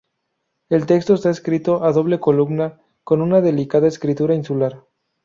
El texto está escrito a doble columna, con una delicada escritura insular.